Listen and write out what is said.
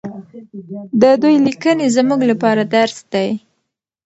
د دوی لیکنې زموږ لپاره درس دی.